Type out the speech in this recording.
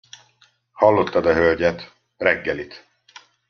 Hallottad a hölgyet, reggelit!